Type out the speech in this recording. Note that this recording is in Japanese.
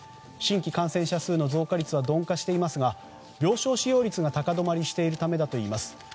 新規感染者数の増加率は鈍化していますが病床使用率が高止まりしているためだといいます。